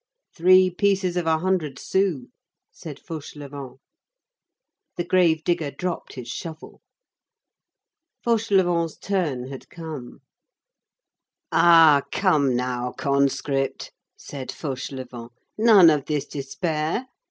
"Three pieces of a hundred sous," said Fauchelevent. The grave digger dropped his shovel. Fauchelevent's turn had come. "Ah, come now, conscript," said Fauchelevent, "none of this despair.